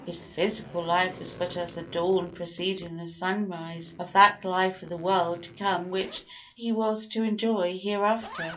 His physical life was but as a dawn preceding the sunrise of that life of the world to come which he was to enjoy hereafter.